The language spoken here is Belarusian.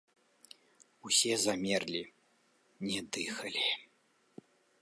Усе замерлі, не дыхалі.